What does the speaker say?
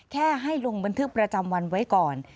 ให้ลงบันทึกประจำวันไว้ก่อน